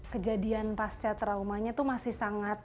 kejadian pasca traumanya itu masih sangat